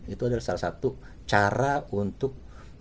itu adalah salah satu cara untuk